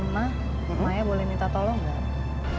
maya boleh minta tolong gak